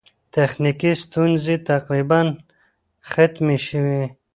تخنیکي ستونزې تقریباً ختمې شوې.